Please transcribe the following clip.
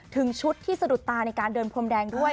ถึงชุดที่สะดุดตาในการเดินพรมแดงด้วย